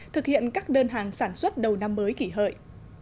thực hiện các đơn hàng sản xuất đầu năm mới kỷ hợi